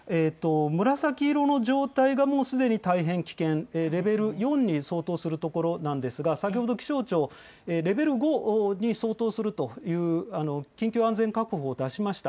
紫色の状態がもうすでに大変危険、レベル４に相当する所なんですが、先ほど気象庁、レベル５に相当するという緊急安全確保を出しました。